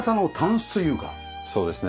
そうですね。